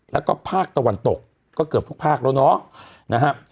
แล้วก็ภาคตะวันตกก็เกือบทุกภาคแล้วเนาะนะฮะ